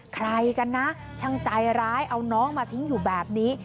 ใครกันนะช่างใจร้ายเอาน้องมาทิ้งอยู่แบบนี้